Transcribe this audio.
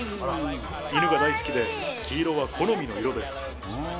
犬が大好きで、黄色は好みの色です。